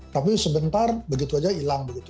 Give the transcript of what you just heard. tapi sebentar begitu saja hilang begitu